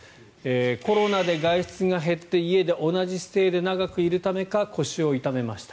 コロナで外出が減って家で同じ姿勢で長くいるためか腰を痛めました。